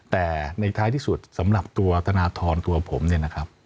แต่ในท้ายที่สุดสำหรับตัวธนทรตัวผมเนี่ยนะครับ